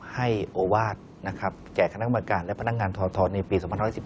ให้โอวาสแก่คณะกรรมการและพนักงานทธในปี๒๑๑๔